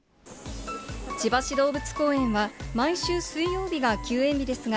千葉市動物公園は、毎週水曜日が休園日ですが、